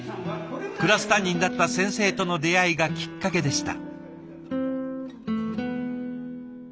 クラス担任だった先生との出会いがきっかけでした。